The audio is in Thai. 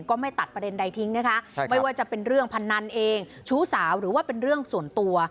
ก็ไม่ตัดประเด็นใดทิ้งนะคะไม่ว่าจะเป็นเรื่องพนันเองชู้สาวหรือว่าเป็นเรื่องส่วนตัว